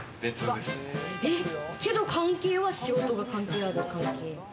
でも、関係は仕事が関係ある関係？